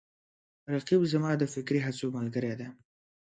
رقیب زما د فکري هڅو ملګری دی